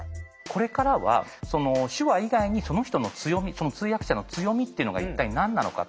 これからは手話以外にその人の強み通訳者の強みっていうのが一体何なのか。